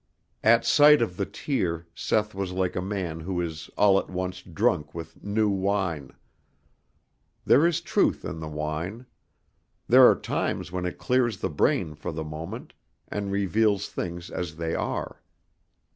At sight of the tear Seth was like a man who is all at once drunk with new wine. There is truth in the wine. There are times when it clears the brain for the moment and reveals things as they are.